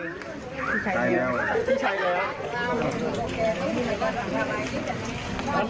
ที่ใช้แล้ว